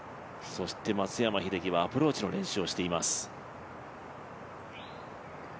松山英樹はアプローチの練習をしています。